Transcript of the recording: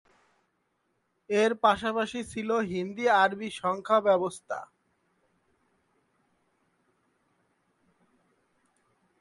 এর পাশাপাশি ছিল হিন্দি-আরবি সংখ্যা ব্যবস্থা।